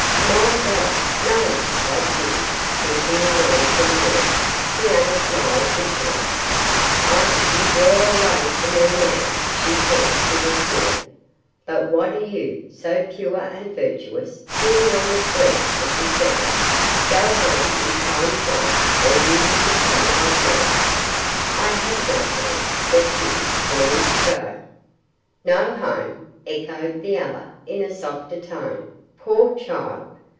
'My God! no,' cried Kitty, shrinking away from her. The other smiled bitterly. 'Ah! you draw away from me now,' she said, with a sneer; 'but what are you, so pure and virtuous, doing on the streets at this hour? Go home in time, child, or you will become like me.' 'I have no home,' said Kitty, turning to go. 'No home!' echoed the other, in a softer tone; 'poor child!